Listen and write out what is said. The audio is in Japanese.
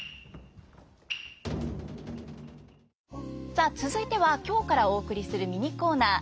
さあ続いては今日からお送りするミニコーナー